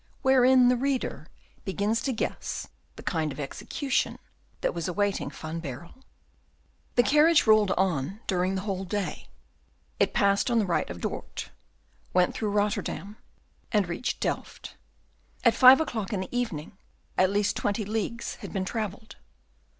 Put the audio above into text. Wherein the Reader begins to guess the Kind of Execution that was awaiting Van Baerle The carriage rolled on during the whole day; it passed on the right of Dort, went through Rotterdam, and reached Delft. At five o'clock in the evening, at least twenty leagues had been travelled.